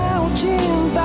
saya tak punya impiannya